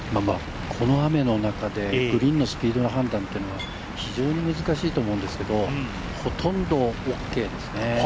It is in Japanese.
この雨の中で、グリーンのスピードの判断というのは非常に難しいと思うんですけどほとんどオーケーですね。